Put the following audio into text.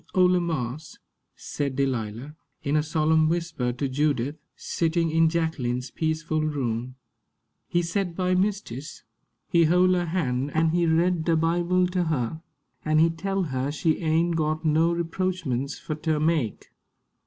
"Ole marse," said Delilah, in a solemn whisper to Judith, sitting in Jacqueline's peaceful room, "he set by mistis. He hole her han' an' he read de Bible ter her, an' he tell her she ain' got no reproachments fur ter make.